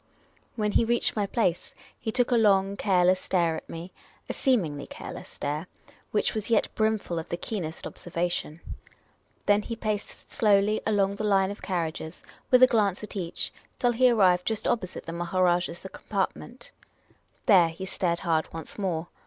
When he reached my place, he took a long, careless stare at me — a seemingly careless stare, which was yet brimful of the keenest observa tion. Then he paced slowly along the line of carriages, with a glance at each, till he arrived just opposite the Maharajah's compartment. There he stared hard once more.